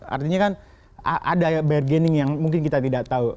artinya kan ada bargaining yang mungkin kita tidak tahu